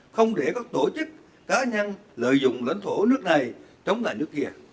không để các tổ chức cá nhân lợi dụng lãnh thổ nước này chống lại nước kia